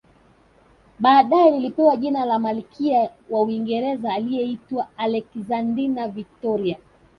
Baadae lilipewa jina la malkia wa Uingereza aliyeitwa Alexandrina Victoria